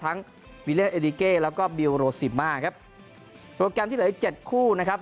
มาทั้งวิเลียนเอดิเก้แล้วก็บิวโรสิม่าครับโปรแกรมที่เหลือ๗คู่นะครับ